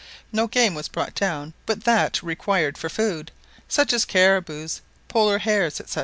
No game was brought down but that required for food, such as caribous, Polar hares, &c.